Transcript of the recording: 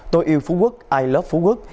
tôi yêu phú quốc i love phú quốc